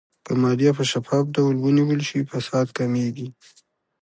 که مالیه په شفاف ډول ونیول شي، فساد کمېږي.